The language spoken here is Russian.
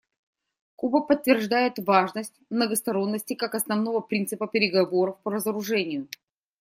Куба подтверждает важность многосторонности как основного принципа переговоров по разоружению.